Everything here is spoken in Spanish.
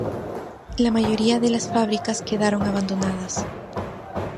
La mayoría de las fábricas quedaron abandonadas.